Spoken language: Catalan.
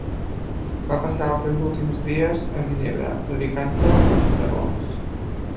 Va passar els seus últims dies a Ginebra, dedicant-se als bodegons.